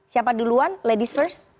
siapa duluan ladies first